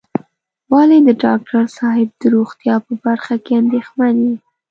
ولې د ډاکټر صاحب د روغتيا په برخه کې اندېښمن یې.